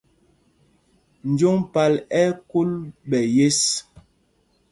Joŋ pal ɛ́ ɛ́ kúl ɓɛ̌ yes.